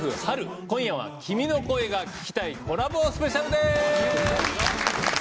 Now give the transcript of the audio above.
今夜は「君の声が聴きたい」コラボスペシャルです！